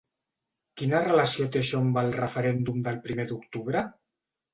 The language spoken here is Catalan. Quina relació té això amb el referèndum del primer d’octubre?